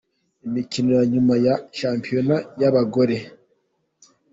Imikino ya nyuma ya Shampiona y’abagore.